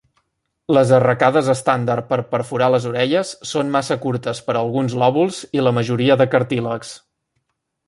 Les arracades estàndard per perforar les orelles són massa curtes per alguns lòbuls i la majoria de cartílags.